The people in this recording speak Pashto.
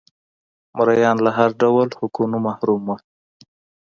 مریان له هر ډول حقونو محروم وو